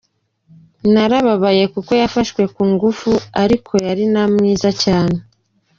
Narababaye kuko yafashwe ku ngufu, ariko yari na mwiza cyane.